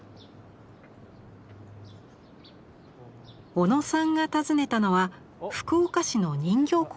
小野さんが訪ねたのは福岡市の人形工房。